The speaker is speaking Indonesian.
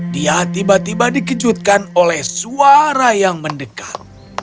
dia tiba tiba dikejutkan oleh suara yang mendekat